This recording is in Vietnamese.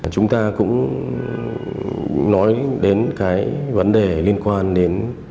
chúng ta cũng nói đến cái vấn đề liên quan đến